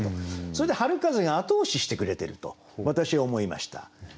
それで春風が後押ししてくれてると私は思いました。